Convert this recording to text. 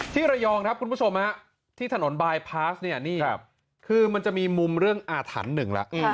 ที่ระยองครับคุณผู้ชมที่ถนนบายพาสเนี่ยนี่คือมันจะมีมุมเรื่องอาถรรพ์หนึ่งแล้ว